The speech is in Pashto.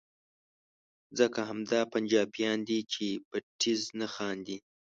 ځکه همدا پنجابیان دي چې په ټیز نه خاندي.